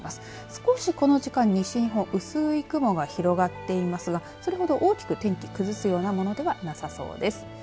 少しこの時間、西日本薄い雲が広がっていますがそれほど、大きく天気崩すようなものではなさそうです。